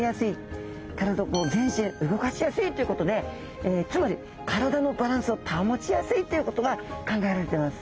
体全身動かしやすいということでつまり体のバランスを保ちやすいっていうことが考えられてます。